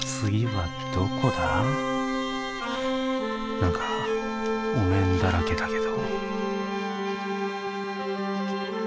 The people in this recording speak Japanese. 何かお面だらけだけど。